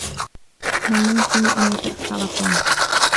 من الممكن أن يتأخر توم.